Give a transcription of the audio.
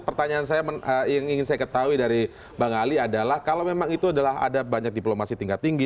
pertanyaan saya yang ingin saya ketahui dari bang ali adalah kalau memang itu adalah ada banyak diplomasi tingkat tinggi